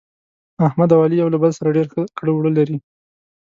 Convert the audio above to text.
احمد او علي یو له بل سره ډېر ښه کړه وړه لري.